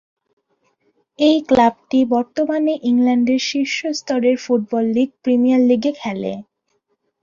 এই ক্লাবটি বর্তমানে ইংল্যান্ডের শীর্ষ স্তরের ফুটবল লীগ প্রিমিয়ার লীগে খেলে।